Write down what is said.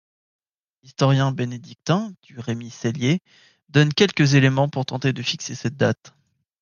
L'historien bénédictin du Remi Ceillier donne quelques éléments pour tenter de fixer cette date.